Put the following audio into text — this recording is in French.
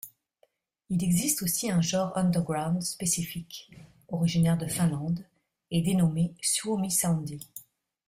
Il existe aussi un genre underground spécifique, originaire de Finlande et dénommé suomisaundi.